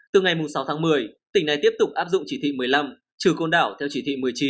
từ ngày sáu tháng một mươi tỉnh này tiếp tục áp dụng chỉ thị một mươi năm trừ côn đảo theo chỉ thị một mươi chín